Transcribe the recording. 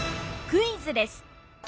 クイズです！